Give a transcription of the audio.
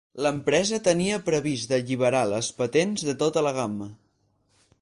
L'empresa tenia previst d'alliberar les patents de tota la gamma.